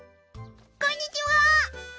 こんにちは！